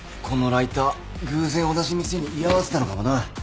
このライター偶然同じ店に居合わせたのかもな。